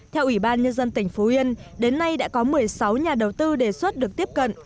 theo ủy ban nhân dân tỉnh phú yên đến nay đã có một mươi sáu nhà đầu tư đề xuất được tiếp cận